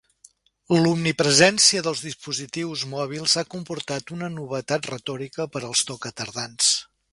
L'omnipresència dels dispositius mòbils ha comportat una novetat retòrica per als tocatardans.